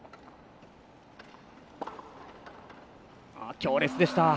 強烈でした。